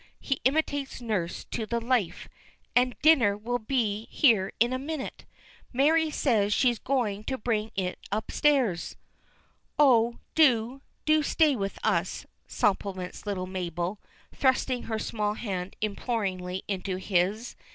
'" He imitates nurse to the life. "And dinner will be here in a minute. Mary says she's just going to bring it upstairs." "Oh, do do stay with us," supplements little Mabel, thrusting her small hand imploringly into his.